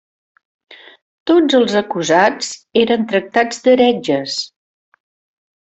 Tots els acusats eren tractats d'heretges.